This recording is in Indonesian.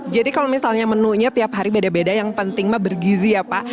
jadi kalau misalnya menunya tiap hari beda beda yang penting mah bergizi ya pak